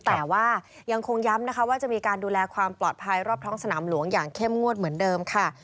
แต่ว่ายังคงย้ำนะคะว่าจะมีการดูแลความปลอดภัยรอบท้องสนามหลวงอย่างเข้มงวดเหมือนเดิมค่ะ